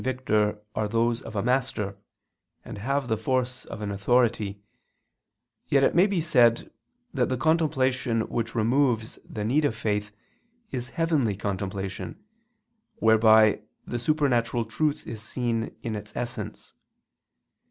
Victor are those of a master, and have the force of an authority, yet it may be said that the contemplation which removes the need of faith is heavenly contemplation, whereby the supernatural truth is seen in its essence.